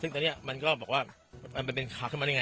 ซึ่งตอนนี้มันก็บอกว่ามันเป็นขาขึ้นมาได้ไง